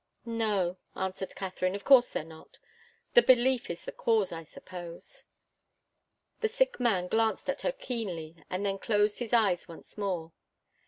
"No," answered Katharine, "of course they're not. The belief is the cause, I suppose." The sick man glanced at her keenly and then closed his eyes once more.